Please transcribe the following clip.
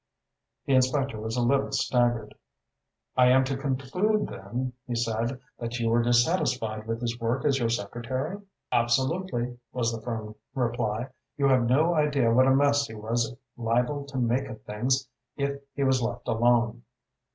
The inspector was a little staggered. "I am to conclude, then," he said, "that you were dissatisfied with his work as your secretary?" "Absolutely," was the firm reply. "You have no idea what a mess he was liable to make of things if he was left alone."